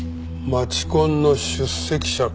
街コンの出席者か。